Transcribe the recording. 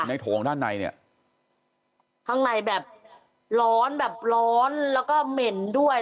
โถงด้านในเนี่ยข้างในแบบร้อนแบบร้อนแล้วก็เหม็นด้วย